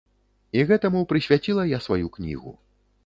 І гэтаму прысвяціла я сваю кнігу.